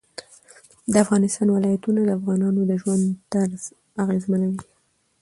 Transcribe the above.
د افغانستان ولايتونه د افغانانو د ژوند طرز اغېزمنوي.